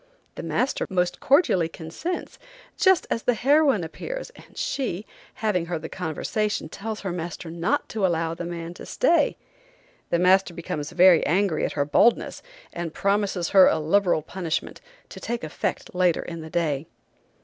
The master most cordially consents, just as the heroine appears, and she, having heard the conversation tells her master not to allow the man to stay. The master becomes very angry at her boldness and promises her a liberal punishment, to take effect later in the day.